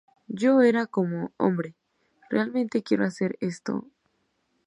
Yo era como, hombre, ¿realmente quiero hacer esto?